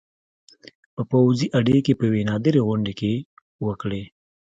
په پوځي اډې کې په یوې نادرې غونډې کې وکړې